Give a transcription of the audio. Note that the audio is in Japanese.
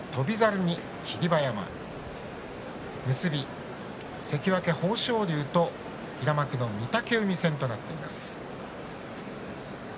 結びは関脇豊昇龍と平幕、御嶽海戦となっています。